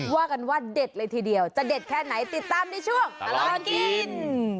ว่ากันว่าเด็ดเลยทีเดียวจะเด็ดแค่ไหนติดตามในช่วงตลอดกิน